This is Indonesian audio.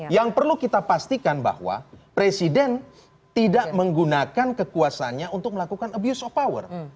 yang perlu kita pastikan bahwa presiden tidak menggunakan kekuasanya untuk melakukan abuse of power